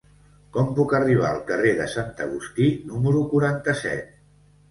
Com puc arribar al carrer de Sant Agustí número quaranta-set?